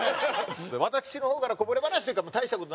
私の方からこぼれ話というか大した事ないんですけども。